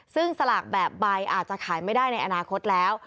ซึ่งสลากแบบใบอาจจะขายไม่ได้ในอนาคตแล้ว